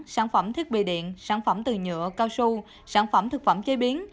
sản phẩm thiết bị điện sản phẩm từ nhựa cao su sản phẩm thực phẩm chế biến